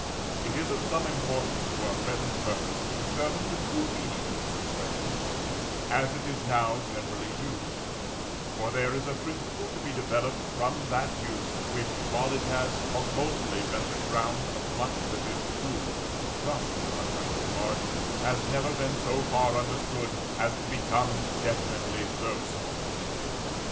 It is of some importance to our present purpose to determine the true meaning of this expression, as it is now generally used; for there is a principle to be developed from that use which, while it has occultly been the ground of much that is true and just in our judgment of art, has never been so far understood as to become definitely serviceable.